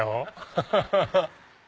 ハハハハ！